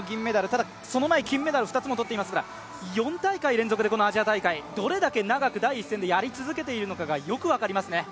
ただその前、金メダルを２つも取っていますから４大会連続でアジア大会、どれだけ長く第一線でやり続けているのかがよく分かりますね。